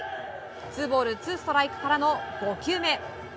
ツーボールツーストライクからの５球目。